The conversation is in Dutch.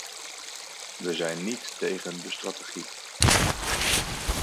We zijn niet tegen de strategie.